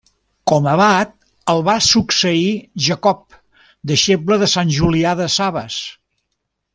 Com abat el va succeir Jacob, deixeble de Sant Julià de Sabas.